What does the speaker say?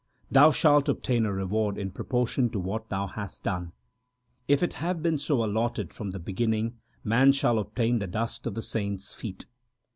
Thou shalt obtain a reward in proportion to what thou hast done. If it have been so allotted from the beginning, man shall obtain the dust of the saints feet.